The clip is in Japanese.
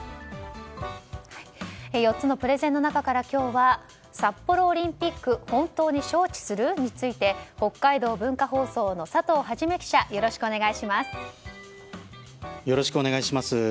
４つのプレゼンの中から今日は札幌オリンピック本当に招致する？について北海道文化放送の佐藤創記者よろしくお願いします。